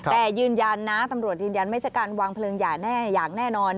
แต่ยืนยันนะตำรวจยืนยันไม่ใช่การวางเพลิงหย่าแน่อย่างแน่นอน